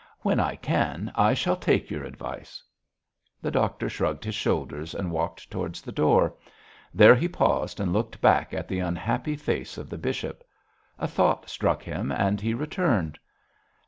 When I can I shall take your advice.' The doctor shrugged his shoulders and walked towards the door. There he paused and looked back at the unhappy face of the bishop. A thought struck him and he returned.